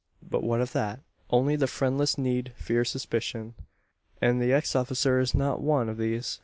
But what of that? Only the friendless need fear suspicion; and the ex officer is not one of these.